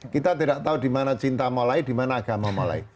kita tidak tahu dimana cinta mulai dimana agama mulai